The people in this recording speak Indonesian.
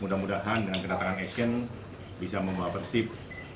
mudah mudahan dengan kedatangan action bisa membawa persib